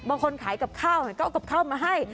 บางคนขายกับข้าวก็เอากับข้าวมาให้